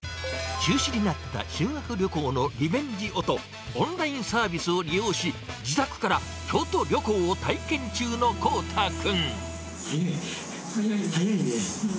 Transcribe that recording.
中止になった修学旅行のリベンジをと、オンラインサービスを利用し、自宅から京都旅行を体験中の航大君。